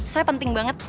soalnya penting banget